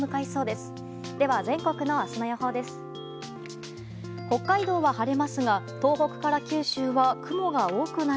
では全国の明日の予報です。